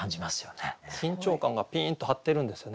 緊張感がピーンと張ってるんですよね。